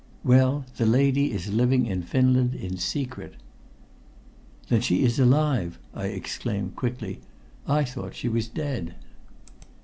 "Well the lady is living in Finland in secret." "Then she is alive!" I exclaimed quickly. "I thought she was dead."